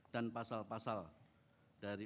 dan pasal pasal dari